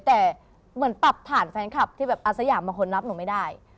แฟนคลับที่อาศยามมหล้อนรับหนูไม่ได้